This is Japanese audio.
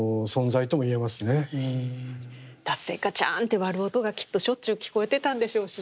だってガチャンって割る音がきっとしょっちゅう聞こえてたんでしょうしね。